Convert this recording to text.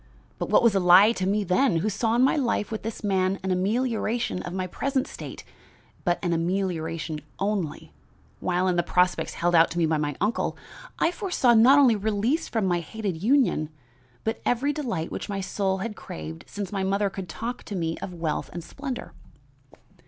but what was a lie to me then, who saw in my life with this man an amelioration of my present state, but an amelioration only, while in the prospects held out to me by my uncle I foresaw not only release from a hated union, but every delight which my soul had craved since my mother could talk to me of wealth and splendor.